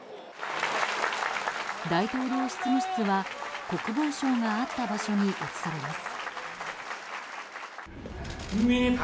大統領執務室は国防省があった場所に移されます。